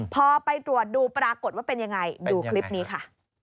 พอไปตรวจดูปรากฏว่าเป็นยังไงดูคลิปนี้ค่ะ